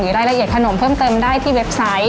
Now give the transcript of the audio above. รายละเอียดขนมเพิ่มเติมได้ที่เว็บไซต์